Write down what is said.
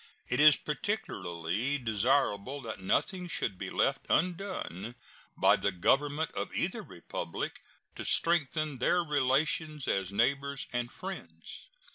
It is particularly desirable that nothing should be left undone by the Government of either Republic to strengthen their relations as neighbors and friends.